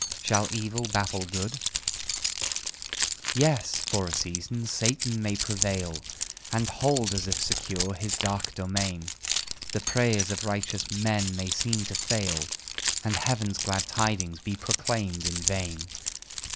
Shall EVIL baffle GOOD?" Yes for a season Satan may prevail, And hold, as if secure, his dark domain; The prayers of righteous men may seem to fail, And Heaven's glad tidings be proclaimed in vain.